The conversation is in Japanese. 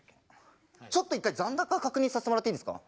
ちょっと一回残高確認させてもらっていいですか？